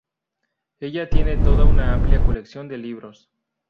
Ella tiene toda una amplia colección de libros.